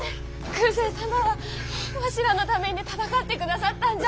空誓様はわしらのために戦ってくださったんじゃ。